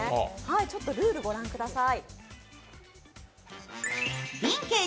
ちょっとルールをご覧ください。